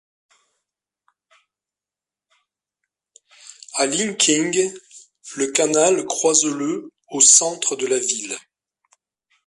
À Linqing, le canal croise le au centre de la ville.